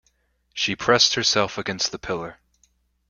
She pressed herself against the pillar.